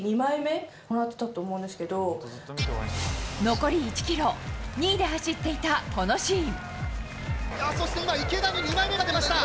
残り１ｋｍ２位で走っていたこのシーン。